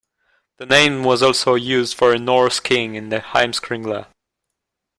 The name was also used for a Norse king in the "Heimskringla".